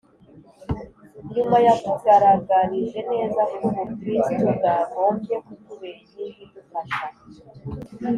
nyuma yatugaragarije neza ko ubukristu bwagombye kutubera inkingi idufasha